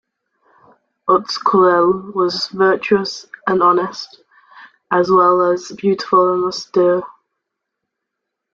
Utz-Colel was virtuous and honest, as well as beautiful and austere.